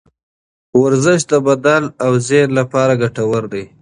ورزش د بدن او ذهن لپاره ګټور دی.